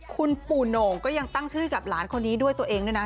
คุณปู่โหน่งก็ยังตั้งชื่อกับหลานคนนี้ด้วยตัวเองด้วยนะ